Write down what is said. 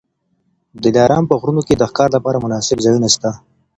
د دلارام په غرونو کي د ښکار لپاره مناسب ځایونه سته.